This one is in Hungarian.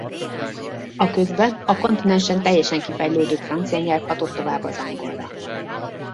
A közben a kontinensen teljesen kifejlődött francia nyelv hatott tovább az angolra.